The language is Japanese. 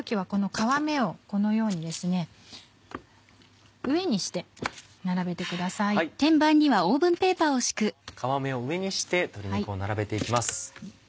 皮目を上にして鶏肉を並べて行きます。